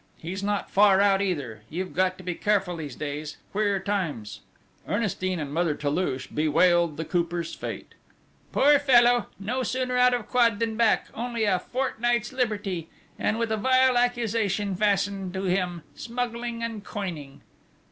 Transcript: He's not far out either you've got to be careful these days queer times!" Ernestine and Mother Toulouche bewailed the Cooper's fate: "Poor fellow! No sooner out of quod than back only a fortnight's liberty! And with a vile accusation fastened to him smuggling and coining!"